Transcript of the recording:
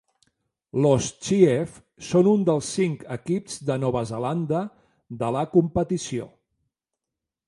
Los Chiefs son un dels cinc equips de Nova Zelanda de la competició.